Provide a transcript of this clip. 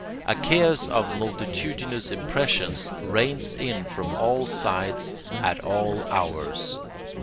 A chaos of multitudinous impressions rains in from all sides at all hours.